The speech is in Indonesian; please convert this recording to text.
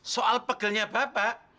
soal pegelnya bapak